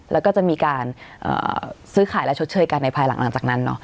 แล้วก็จะมีการซื้อขายและชดเชยกันในภายหลังจากนั้นเนอะ